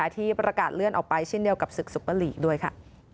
ที่ประกาศเลื่อนออกไปชิ้นเดียวกับศึกษุปรีด้วยค่ะ